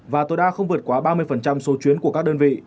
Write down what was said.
và tối đa không vượt quá ba mươi số chuyến của các đơn vị